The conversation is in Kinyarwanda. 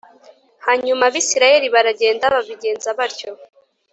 Hanyuma abisirayeli baragenda babigenza batyo